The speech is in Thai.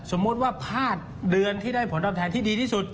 สมมุติว่าพลาดเดือนที่ได้ผลตอบแทนที่ดีที่สุด